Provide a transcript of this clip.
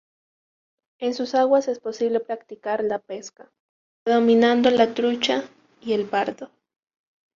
En sus aguas es posible practicar la pesca, predominando la trucha y el barbo.